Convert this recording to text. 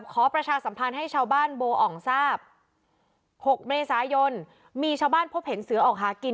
ประชาสัมพันธ์ให้ชาวบ้านโบอ่องทราบ๖เมษายนมีชาวบ้านพบเห็นเสือออกหากิน